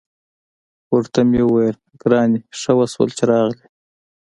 ورته مې وویل: ګرانې، ښه وشول چې راغلې.